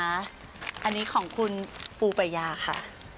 อันนี้ของคุณปูปายาค่ะ